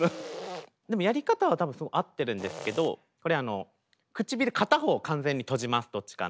でもやり方はたぶん合ってるんですけどこれ唇片方を完全に閉じますどっちかのを。